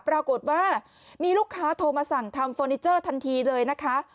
ปรากฏว่ามีลูกค้าโทรมาสั่งทำเฟอร์นิเจอร์ทันทีเลยนะคะ